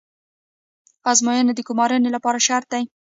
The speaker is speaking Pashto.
ازموینه د ګمارنې لپاره شرط ده